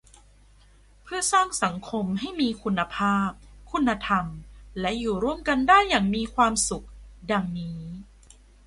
เพื่อสร้างสังคมให้มีคุณภาพ คุณธรรม และอยู่ร่วมกันได้อย่างมีความสุข ดังนี้